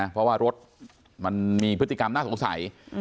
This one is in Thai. เพราะว่ารถมันมีพฤติกรรมน่าสงสัย